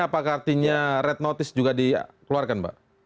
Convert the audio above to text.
apakah artinya red notice juga dikeluarkan mbak